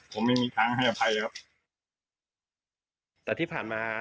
ผมไม่มีทางให้อภัยครับ